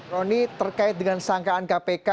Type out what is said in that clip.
roni terkait dengan sangkaan kpk